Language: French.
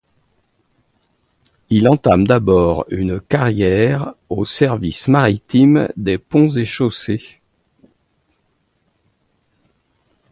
Il entame d'abord une carrière au Service maritime des ponts et chaussées.